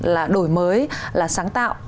là đổi mới là sáng tạo